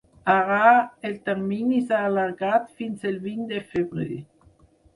Ara, el termini s’ha allargat fins el vint de febrer.